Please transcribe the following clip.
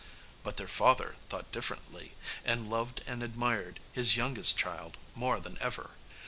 But their father thought differently, and loved and admired his youngest child more than ever.